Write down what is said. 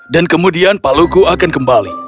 dan kemudian paluku akan kembali